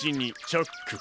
チャック。